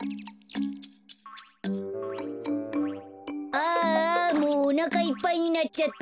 ああもうおなかいっぱいになっちゃった。